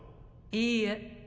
いいえ。